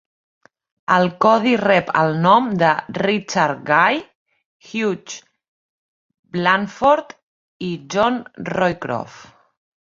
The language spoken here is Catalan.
El codi rep el nom de Richard Guy, Hugh Blandford i John Roycroft.